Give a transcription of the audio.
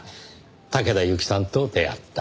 竹田ユキさんと出会った。